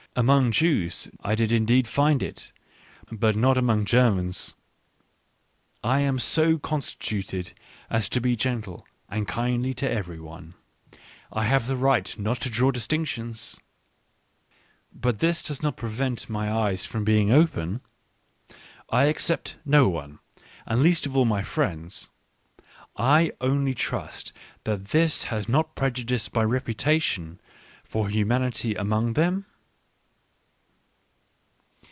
Among Jews I did indeed find it, but not among Germans. I am so constituted as to be gentle and kindly to every one, — I have the right not to draw distinctions, — but this does not prevent my eyes from being open. I except no one, and least of all my friends, — I only trust that this has not prejudiced my reputation for humanity among them